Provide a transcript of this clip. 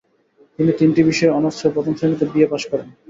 তিনি তিনটি বিষয়ে অনার্সসহ প্রথম শ্রেণিতে বি.এ. পাশ করেন।